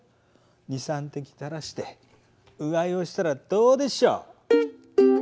２３滴たらしてうがいをしたらどうでしょう。